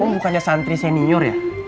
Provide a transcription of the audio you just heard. oh bukannya santri senior ya